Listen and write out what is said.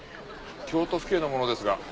京都府警の者ですが。